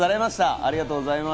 ありがとうございます。